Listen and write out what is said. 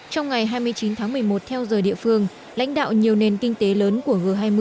trong ngày hai mươi chín tháng một mươi một theo giờ địa phương lãnh đạo nhiều nền kinh tế lớn của g hai mươi